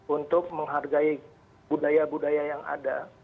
untuk menghargai budaya budaya yang ada